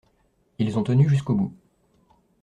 Ils ont tenu jusqu’au bout.